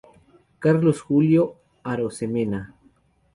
Carlos Julio Arosemena.